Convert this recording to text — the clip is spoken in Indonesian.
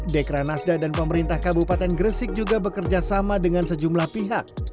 dekra nasda dan pemerintah kabupaten gresik juga bekerja sama dengan sejumlah pihak